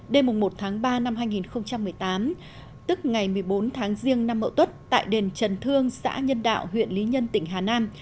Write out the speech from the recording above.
đêm một tháng ba năm hai nghìn một mươi tám tức ngày một mươi bốn tháng riêng năm mậu tuất tại đền trần thương xã nhân đạo huyện lý nhân tỉnh hà nam